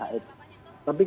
tapi kalau pasokannya